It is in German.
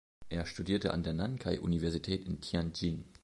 Er studierte an der Nankai-Universität in Tianjin.